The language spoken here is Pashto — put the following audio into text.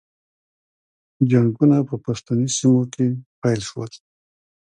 جنګونه په پښتني سیمو کې پیل شول.